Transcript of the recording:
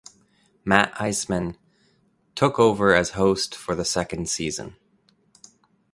Matt Iseman took over as host for the second season.